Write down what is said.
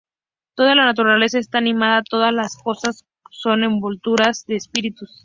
Toda la naturaleza está animada, todas las cosas son envolturas de espíritus.